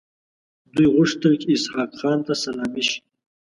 دوی غوښتل چې اسحق خان ته سلامي شي.